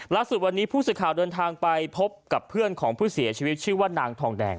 ล่าสุดวันนี้ผู้สื่อข่าวเดินทางไปพบกับเพื่อนของผู้เสียชีวิตชื่อว่านางทองแดง